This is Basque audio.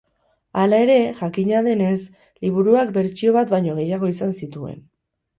Hala ere, jakina denez, liburuak bertsio bat baino gehiago izan zituen.